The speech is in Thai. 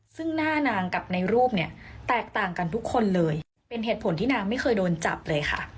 ซึ่งหน้านางกับในรูปเนี่ยแตกต่างกันทุกคนเลยเป็นเหตุผลที่นางไม่เคยโดนจับเลยค่ะ